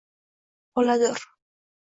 oladur.